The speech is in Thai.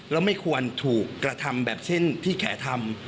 แล้วไม่ควรถูกกระทำแบบเช่นพี่แขทำ